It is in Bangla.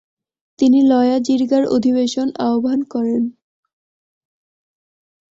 তিনি লয়া জিরগার অধিবেশন আহ্বান করেন।